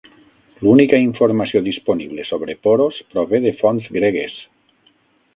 L'única informació disponible sobre Poros prové de fonts gregues.